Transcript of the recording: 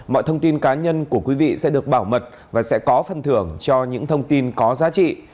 mọi thông tin cá nhân của quý vị sẽ được bảo mật và sẽ có phân thưởng cho những thông tin có giá trị